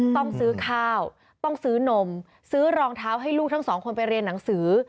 ต้องซื้อข้าวต้องซื้อนมซื้อรองเท้าให้ลูกทั้งสองคนไปเรียนหนังสือ